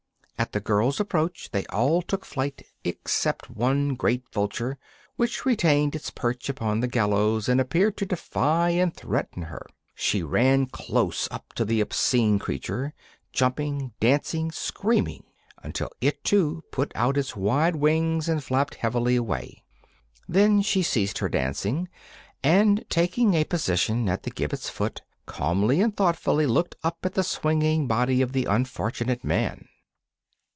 At the girl's approach they all took flight, except one great vulture, which retained its perch upon the gallows and appeared to defy and threaten her. She ran close up to the obscene creature, jumping, dancing, screaming, until it, too, put out its wide wings and flapped heavily away. Then she ceased her dancing, and, taking a position at the gibbet's foot, calmly and thoughtfully looked up at the swinging body of the unfortunate man.